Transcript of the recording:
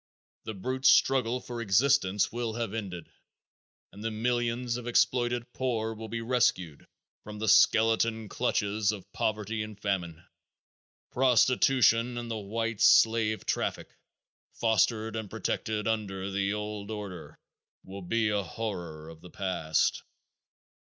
The brute struggle for existence will have ended, and the millions of exploited poor will be rescued from the skeleton clutches of poverty and famine. Prostitution and the white slave traffic, fostered and protected under the old order, will be a horror of the past.